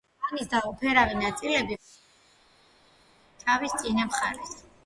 კანის დაუფარავი ნაწილები ვარდისფერია, შავი ლაქებით თავის წინა მხარეს.